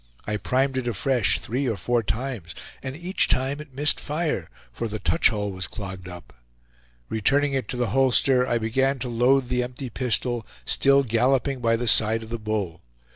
I primed it afresh three or four times, and each time it missed fire, for the touch hole was clogged up. Returning it to the holster, I began to load the empty pistol, still galloping by the side of the bull.